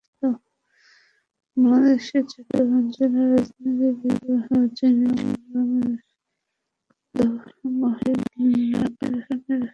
বাংলাদেশের চট্টগ্রাম জেলার রাজনীতিবিদ যিনি সংরক্ষিত মহিলা আসনের সংসদ সদস্য ছিলেন।